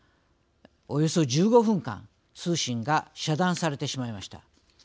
およそ１５分間通信が遮断されてしまいました。